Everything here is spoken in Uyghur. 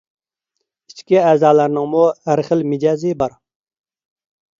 ئىچكى ئەزالارنىڭمۇ ھەر خىل مىجەزى بار.